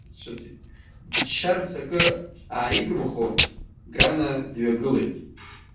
Дыччарц акы ааигымхо, Гана дҩагылеит.